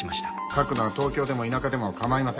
書くのは東京でも田舎でも構いません。